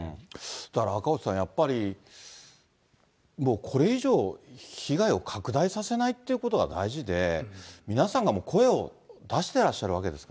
だから赤星さん、やっぱり、もうこれ以上、被害を拡大させないということが大事で、皆さんが声を出してらっしゃるわけですか